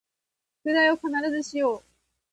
宿題を必ずしよう